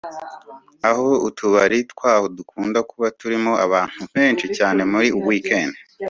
aho utubari twaho dukunda kuba turimo abantu benshi cyane muri weekend